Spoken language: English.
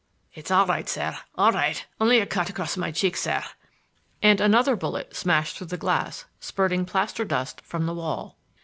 "It's all right, sir,—all right,—only a cut across my cheek, sir,"—and another bullet smashed through the glass, spurting plaster dust from the wall.